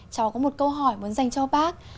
cháu có một câu hỏi muốn dành cho bác